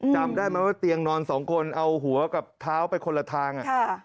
จำได้ไหมว่าเตียงนอนสองคนเอาหัวกับเท้าไปคนละทาง